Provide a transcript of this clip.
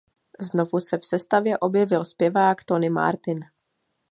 Znovu se v sestavě objevil zpěvák Tony Martin.